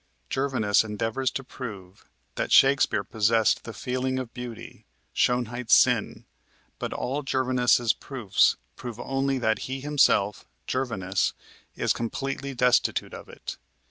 Gervinus endeavors to prove that Shakespeare possessed the feeling of beauty, "Schönheit's sinn," but all Gervinus's proofs prove only that he himself, Gervinus, is completely destitute of it.